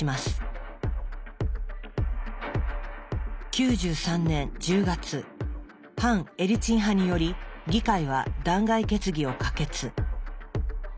９３年１０月反エリツィン派により議会は弾劾決議を可決。